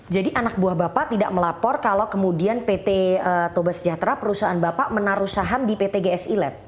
jadi anak buah bapak tidak melapor kalau kemudian pt toba sejahtera perusahaan bapak menaruh saham di pt gsi lab